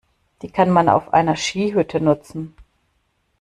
Die kann man auf einer Skihütte nutzen.